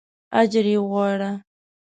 اجر یې غواړه.